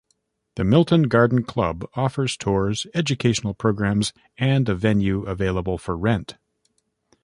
The Milton Garden Club offers Tours, educational Programs and a venue available for rent.